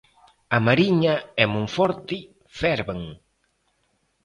A Mariña e Monforte ferven.